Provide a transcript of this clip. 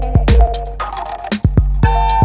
kau mau kemana